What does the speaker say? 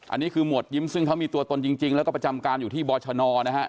อันนี้คือหมวดยิ้มซึ่งเขามีตัวตนจริงแล้วก็ประจำการอยู่ที่บอชนนะฮะ